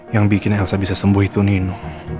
yang bikin elsa bisa sembuh itu nino